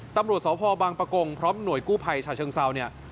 ตำรวจสพบังปะกงพร้อมหน่วยกู้ภัยฉะเชิงเซาเนี่ย